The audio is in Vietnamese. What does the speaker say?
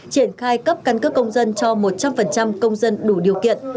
triển khai cấp căn cước công dân cho một trăm linh công dân đủ điều kiện